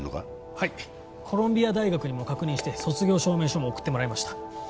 はいコロンビア大学にも確認して卒業証明書も送ってもらいました